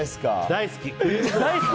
大好き！